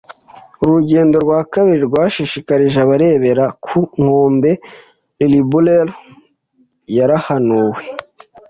Uru rugendo rwa kabiri rwashishikarije abarebera ku nkombe. “Lillibullero” yarahanuwe